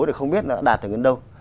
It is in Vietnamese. để không biết nó đã đạt được đến đâu